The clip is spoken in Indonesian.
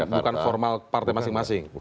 bukan formal partai masing masing